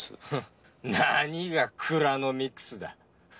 フン何がクラノミクスだ。